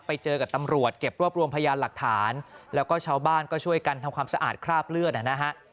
ไปเจอกับตำรวจเก็บรวบรวมพยานหลักฐานแล้วก็ชาวบ้านก็ช่วยกันทำความสะอาดคราบเลือดนะฮะ